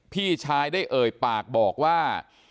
พี่ชายได้เอ่ยปากบอกว่า